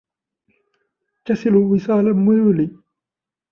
وَتَصِلُ وِصَالَ الْمَلُولِ